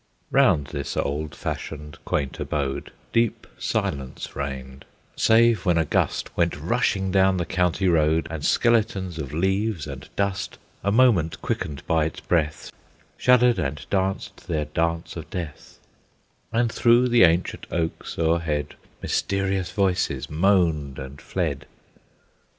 Round this old fashioned, quaint abode Deep silence reigned, save when a gust Went rushing down the county road, And skeletons of leaves, and dust, A moment quickened by its breath, Shuddered and danced their dance of death, And through the ancient oaks o'erhead Mysterious voices moaned and fled.